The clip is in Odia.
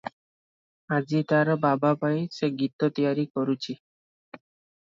ଆଜି ତାର ବାବା- ପାଇଁ ସେ ଗୀତ ତିଆର କରୁଚି ।